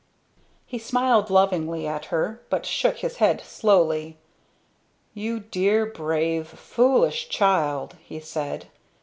He smiled lovingly at her but shook his head slowly. "You dear, brave, foolish child!" he said.